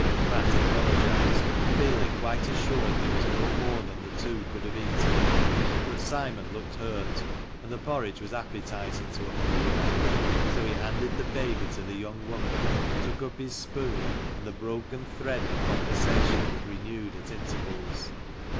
Mat apologised, feeling quite assured there was no more than the two could have eaten ; but Simon looked hurt, and the porridge was appetising to a hungry man ; so he handed the baby to the young woman, took up his spoon, and the broken thread of conversation was renewed at intervals.